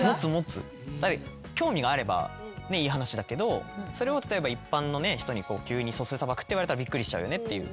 興味があればいい話だけどそれを例えば一般の人に急に素数砂漠って言われたらびっくりしちゃうよねっていう。